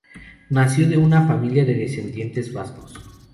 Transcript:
Nació de una familia de descendientes de vascos.